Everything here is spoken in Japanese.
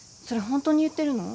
本当に言ってるの？